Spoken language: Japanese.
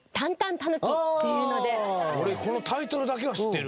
俺このタイトルだけは知ってる。